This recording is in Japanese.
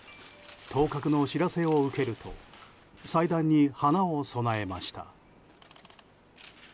当確の知らせを受けると祭壇に花を供えました。